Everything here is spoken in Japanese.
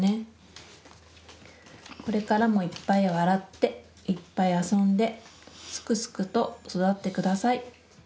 これからもいっぱい笑っていっぱい遊んですくすくと育ってください。